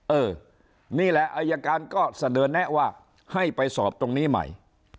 เออนี่แหละอายการก็เสนอแนะว่าให้ไปสอบตรงนี้ใหม่